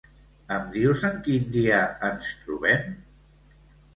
Em dius en quin dia ens trobem?